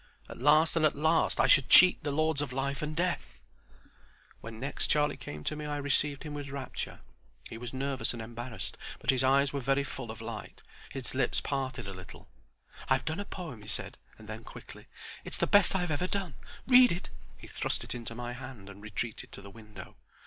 At last and at last I should cheat the Lords of Life and Death! When next Charlie came to me I received him with rapture. He was nervous and embarrassed, but his eyes were very full of light, and his lips a little parted. "I've done a poem," he said; and then quickly: "it's the best I've ever done. Read it." He thrust it into my hand and retreated to the window.